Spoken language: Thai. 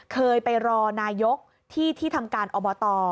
เคยไปรอนายกที่ที่ทำการอบต